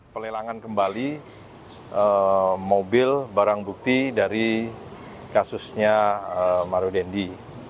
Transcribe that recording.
pelelangan kembali mobil barang bukti dari kasusnya mario dendi